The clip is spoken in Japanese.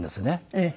ええ。